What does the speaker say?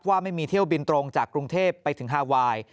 ว่าไม่มีเที่ยวบินตรงจากกรุงเทพไปถึงฮาไวน์